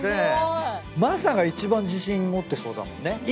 「昌」が一番自信持ってそうだもんね。